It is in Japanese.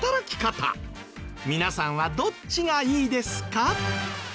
皆さんはどっちがいいですか？